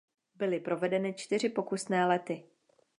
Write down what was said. Byly provedeny čtyři pokusné lety.